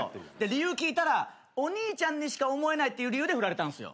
理由聞いたらお兄ちゃんにしか思えないっていう理由で振られたんすよ。